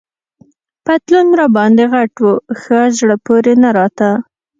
پتلون راباندي غټ وو، ښه زړه پورې نه راته.